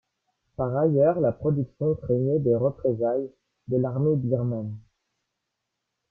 Par ailleurs, la production craignait des représailles de l'armée birmane.